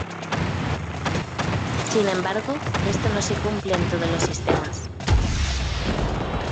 Sin embargo, esto no se cumple en todos los sistemas.